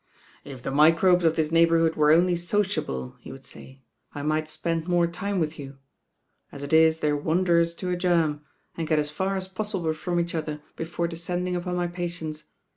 "If the microbes of this neighbourhood were only sociable," he would say, "I might spend more time with you. As it is they're wanderers to a germ, and get as far as possible from each other before de scending upon my patients.